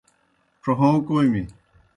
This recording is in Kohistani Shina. ڇھوں کوْمیْ۔